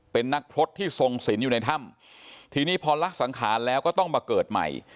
เป็นนักพรสที่ทรงศิลป์อยู่ในถ้ำทีนี้พอละสังขารแล้วก็ต้องมาเกิดใหม่